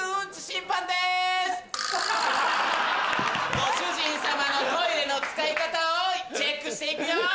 ご主人様のトイレの使い方をチェックして行くよ！